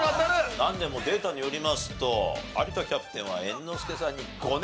なんでもデータによりますと有田キャプテンは猿之助さんに５年半勝ってない。